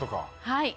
はい。